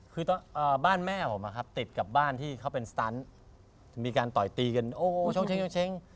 คือบ้านแม่ผมอะครับติดกับบ้านที่เขาเป็นสตันมีการต่อยตีกันโอ้ชกเช้ง